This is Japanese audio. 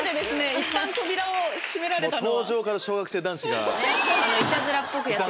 いったん扉を閉められたのは。